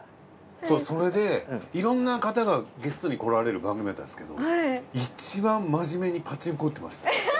そうそれでいろんな方がゲストに来られる番組だったんですけどいちばん真面目にパチンコ打ってました。